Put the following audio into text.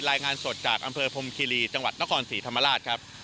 รายงานสดจากอำเภอพรมคีรีจังหวัดนครศรีธรรมราชครับ